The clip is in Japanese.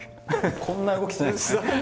こんな動きしないですから。